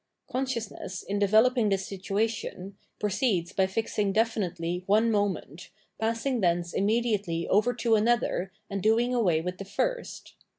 * Conscious ness, in developing this situation, proceeds by ^ing definitely one moment, passing thence immediately over to another and doing away with the first.